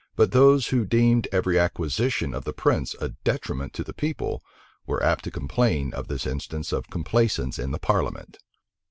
But those who deemed every acquisition of the prince a detriment to the people, were apt to complain of this instance of complaisance in the parliament.